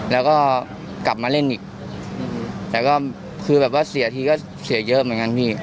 แล้วก็กลับมาเล่นอีกแต่ก็คือแบบว่าเสียทีก็เสียเยอะเหมือนกันพี่